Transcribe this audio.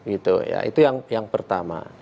itu ya itu yang pertama